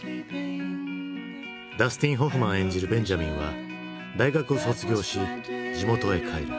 ダスティン・ホフマン演じるベンジャミンは大学を卒業し地元へ帰る。